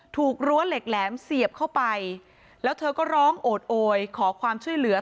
รั้วเหล็กแหลมเสียบเข้าไปแล้วเธอก็ร้องโอดโอยขอความช่วยเหลือ